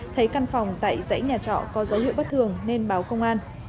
thấy căn phòng tại dãy nhà trọ có dấu hiệu bất thường nên báo công an